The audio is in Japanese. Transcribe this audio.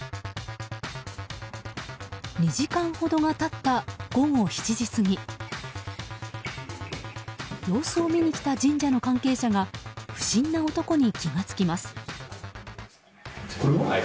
２時間ほどが経った午後７時過ぎ様子を見に来た神社の関係者が不審な男に気がつきます。